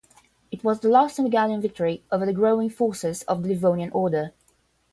It was the last Semigallian victory over the growing forces of the Livonian Order.